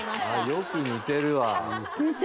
よく似てるわ。